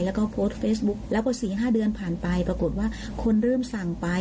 แล้วก็โพสต์เฟซบุ๊คแล้วพอ๔๕เดือนผ่านไปปรากฏว่าคนเริ่มสั่งไป